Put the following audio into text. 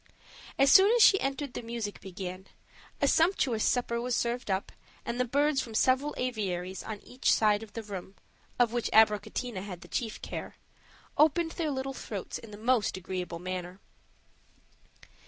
As soon as she entered the music began, a sumptuous supper was served up, and the birds from several aviaries on each side of the room, of which Abricotina had the chief care, opened their little throats in the most agreeable manner.